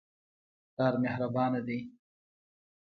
پلار مهربانه دی.